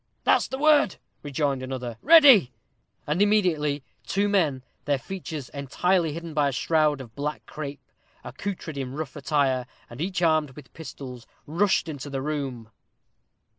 "That's the word," rejoined another; "ready;" and immediately two men, their features entirely hidden by a shroud of black crape, accoutred in rough attire, and each armed with pistols, rushed into the room.